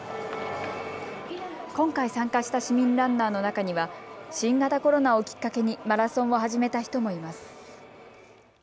今回参加した市民ランナーの中には新型コロナをきっかけにマラソンを始めた人もいます。